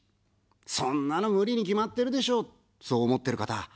そんなの無理に決まってるでしょ、そう思ってる方。